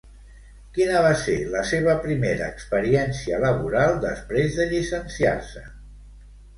Quina va ser la seva primera experiència laboral després de llicenciar-se?